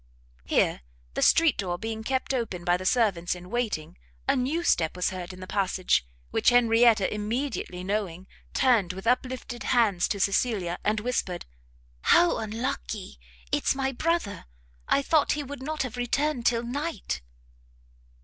Here, the street door being kept open by the servants in waiting, a new step was heard in the passage, which Henrietta immediately knowing, turned, with uplifted hands to Cecilia, and whispered, "How unlucky! it's my brother! I thought he would not have returned till night!"